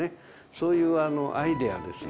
そういうアイデアですよ。